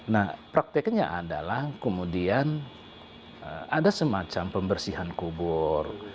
nah prakteknya adalah kemudian ada semacam pembersihan kubur